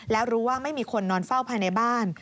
แล้วรู้ว่าไม่มีคนนอนเฝ้าภายในบ้าน